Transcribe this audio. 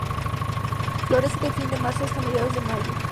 Florece de fin de marzo hasta mediados de mayo.